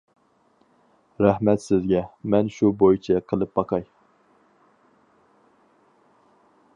رەھمەت سىزگە، مەن شۇ بويىچە قىلىپ باقاي.